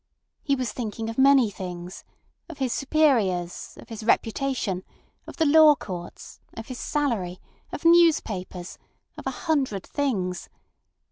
He was thinking of many things—of his superiors, of his reputation, of the law courts, of his salary, of newspapers—of a hundred things.